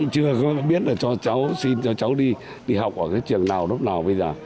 chưa có biết là cho cháu xin cho cháu đi học ở cái trường nào lớp nào bây giờ